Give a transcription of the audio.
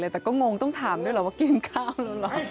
แต่ก็งงต้องถามด้วยเหรอว่ากินข้าวแล้วเหรอ